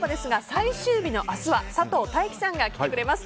最終日の明日は佐藤大樹さんが来てくれます。